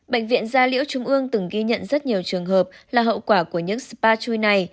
bệnh viện gia liễu trung ương từng ghi nhận rất nhiều trường hợp là hậu quả của những spa chui này